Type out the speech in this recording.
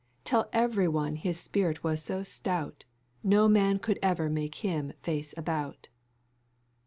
Tell every one his spirit was so stout, No man could ever make him face about."